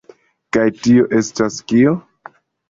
Kaj tio estas kio?